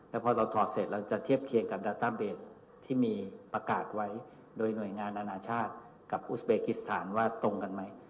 แล้วพอเราถอดเสร็จเราจะเทียบเคียงกับดาต้าเบสที่มีประกาศไว้โดยหน่วยงานอนาชาติกับอุสเบกิสถานว่าตรงกันไหม